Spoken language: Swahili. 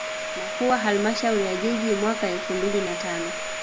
Na kuwa Halmashauri ya Jiji mwaka elfu mbili na tano